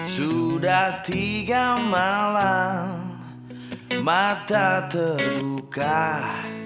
sudah tiga malam mata terbuka